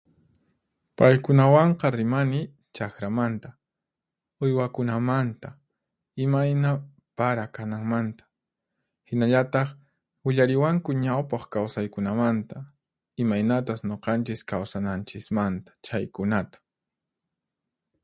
Paykunawanqa rimani chaqramanta, uywakunamanta, imayna para kananmanta. Hinallataq willariwanku ñawpaq kawsaykunamanta, imaynatas nuqanchis kawsananchismanta, chaykunata.